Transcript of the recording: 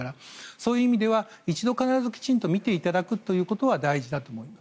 そういう意味では一度必ず診ていただくということは大事だと思います。